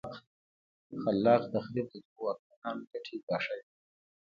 خلا ق تخریب د دغو واکمنانو ګټې ګواښلې.